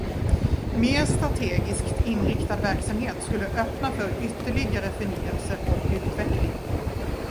Mer strategiskt inriktad verksamhet skulle öppna för ytterligare förnyelse och utveckling.